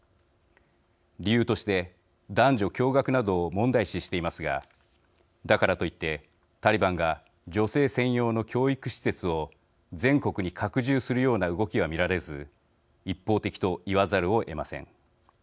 理由として、男女共学などを問題視していますがだからといって、タリバンが女性専用の教育施設を全国に拡充するような動きは見られず一方的と言わざるをえません。